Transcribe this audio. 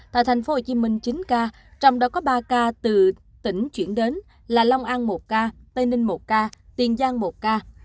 tại tp hcm chín ca trong đó có ba ca từ tỉnh chuyển đến là long an một ca tây ninh một ca tiền giang một ca